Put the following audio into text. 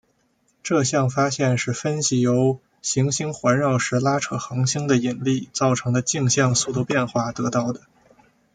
这项发现是分析由行星环绕时拉扯恒星的引力造成的径向速度变化得到的。